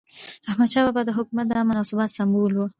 احمدشاه بابا د حکومت د امن او ثبات سمبول و.